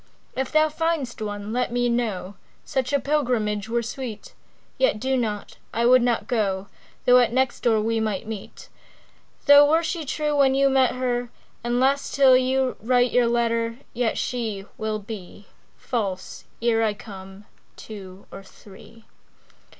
If thou find'st one let me know; Such a pilgrimage were sweet. Yet do not; I would not go, Though at next door we might meet. Though she were true when you met her, And last, till you write your letter, Yet she Will be False, ere I come, to two or three.